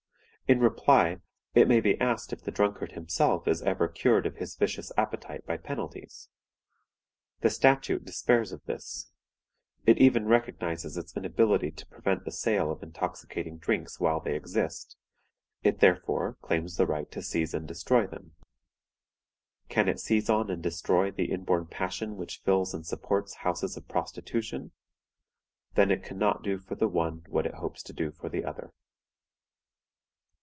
In reply it may be asked if the drunkard himself is ever cured of his vicious appetite by penalties? The statute despairs of this. It even recognizes its inability to prevent the sale of intoxicating drinks while they exist; it therefore claims the right to seize and destroy them. Can it seize on and destroy the inborn passion which fills and supports houses of prostitution? Then it can not do for the one what it hopes to do for the other.